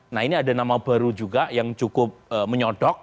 nah ini ada nama baru juga yang cukup menyodok